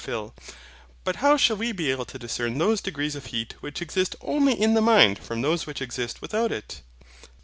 PHIL. But how shall we be able to discern those degrees of heat which exist only in the mind from those which exist without it?